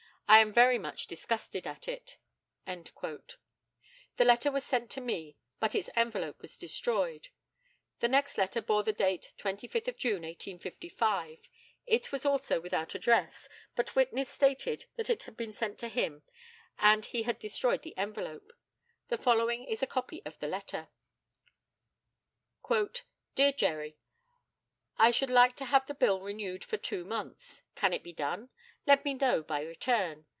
I am very much disgusted at it." The letter was sent to me, but its envelope was destroyed. The next letter bore the date 25th June, 1855; it was also without address, but witness stated that it had been sent to him, and he had destroyed the envelope. The following is a copy of the letter: "Dear Jerry, I should like to have the bill renewed for two months. Can it be done? Let me know by return.